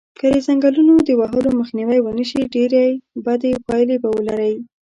که د ځنګلونو د وهلو مخنیوی و نشی ډیری بدی پایلی به ولری